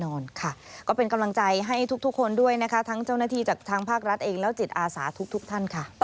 นอนค่ะก็เป็นกำลังใจให้ทุกคนด้วยนะคะทั้งเจ้าหน้าที่จากทางภาครัฐเองและจิตอาสาทุกท่านค่ะ